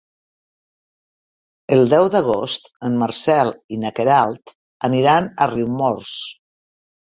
El deu d'agost en Marcel i na Queralt aniran a Riumors.